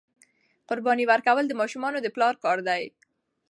قرباني ورکول د ماشومانو د پلار کار دی.